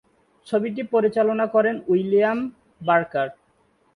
ছবিটি পরিচালনা করেন উইলিয়াম বার্কার।